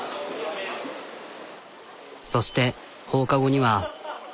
そして放課後には。